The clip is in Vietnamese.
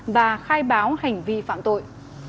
và khai báo hành vi phạm tội